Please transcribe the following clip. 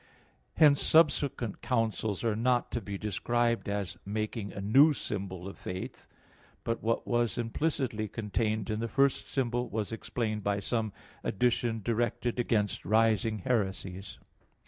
Hence subsequent councils are not to be described as making a new symbol of faith; but what was implicitly contained in the first symbol was explained by some addition directed against rising heresies.